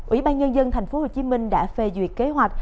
ủy ban nhân dân tp hcm đã phê duyệt kế hoạch